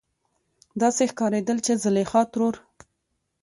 داسې ښکارېدل چې زليخا ترور